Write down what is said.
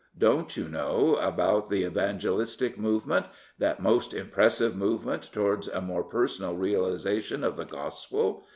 Don't you know about the evangelistic movement, that most impressive movement towards a more personal realisation of the Gospel?